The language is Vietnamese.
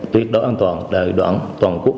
tuyệt đối an toàn đời đoạn toàn quốc